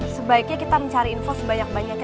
sebaiknya kita mencari info sebanyak banyaknya